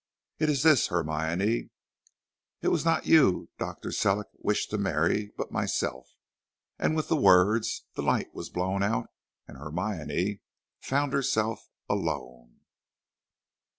It is this, Hermione. It was not you Dr. Sellick wished to marry, but myself." And with the words the light was blown out, and Hermione found herself alone.